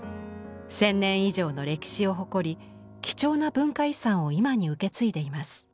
１，０００年以上の歴史を誇り貴重な文化遺産を今に受け継いでいます。